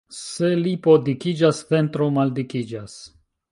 Se lipo dikiĝas, ventro maldikiĝas.